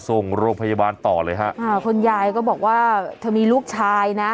ส่งโรงพยาบาลต่อเลยฮะอ่าคุณยายก็บอกว่าเธอมีลูกชายนะ